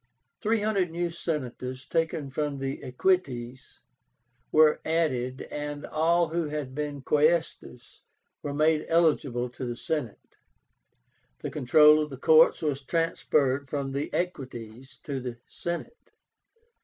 Three hundred new Senators, taken from the Equites, were added, and all who had been Quaestors were made eligible to the Senate. The control of the courts was transferred from the Equites to the Senate.